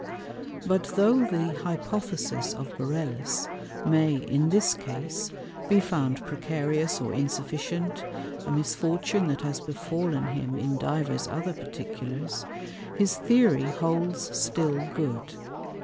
But though the Hypothesis of Borellus may, in this Case, be found precarious or insufficient (a Misfortune that has befallen him in divers other Particulars) his Theory holds still good.